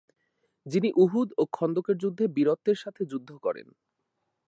যিনি উহুদ ও খন্দকের যুদ্ধে বীরত্বের সাথে যুদ্ধ করেন।